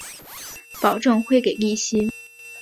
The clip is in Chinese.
保证会给利息